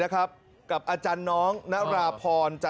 ไปพร้อมกับการลอยกรรธมของท่านนายกฎาสมตรี